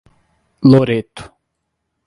Loreto